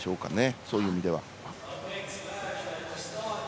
そういう意味では。